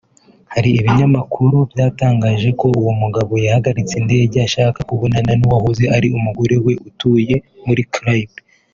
Hari ibinyamakuru byatangaje ko uwo mugabo yahagaritse indege ashaka kubonana n’uwahoze ari umugore we utuye muri Chypre